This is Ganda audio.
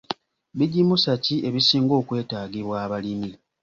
Bigimusa ki ebisinga okwetaagibwa abalimi?